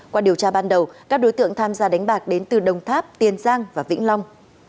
qua điều tra ban đầu các đối tượng tham gia đánh bạc đến từ đồng tháp tiền giang và vĩnh long